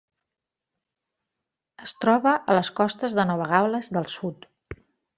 Es troba a les costes de Nova Gal·les del Sud.